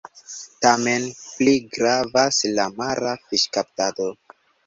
Tamen pli gravas la mara fiŝkaptado.